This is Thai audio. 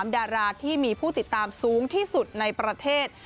ดาราที่มีผู้ติดตามสูงที่สุดในประเทศ